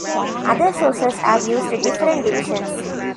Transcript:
Other sources have used different divisions.